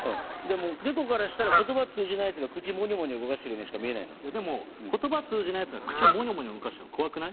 猫からしたら言葉通じない奴が口モニョモニョ動かしてるようにしか見えないのでも言葉通じない奴が口モニョモニョ動かしたら怖くない？